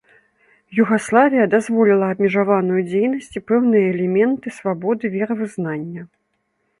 Югаславія дазволіла абмежаваную дзейнасць і пэўныя элементы свабоды веравызнання.